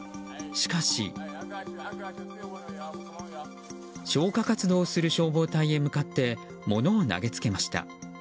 しかし、消火活動をする消防隊へ向かって物を投げつけました。